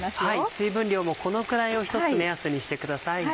水分量もこのくらいをひとつ目安にしてください。